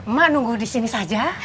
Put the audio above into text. emak nunggu di sini saja